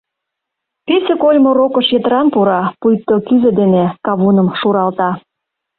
Пӱсӧ кольмо рокыш йытыран пура, пуйто кӱзӧ дене кавуным шуралта.